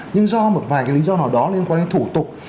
nhưng do một vài cái lý do nào đó liên quan đến thủ tục